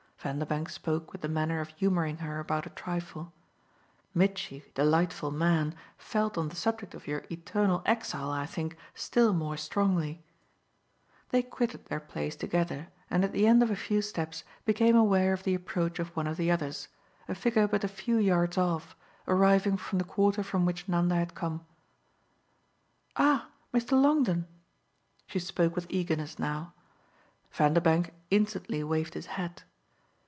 Vanderbank spoke with the manner of humouring her about a trifle. "Mitchy, delightful man, felt on the subject of your eternal exile, I think, still more strongly." They quitted their place together and at the end of a few steps became aware of the approach of one of the others, a figure but a few yards off, arriving from the quarter from which Nanda had come. "Ah Mr. Longdon!" she spoke with eagerness now. Vanderbank instantly waved his hat.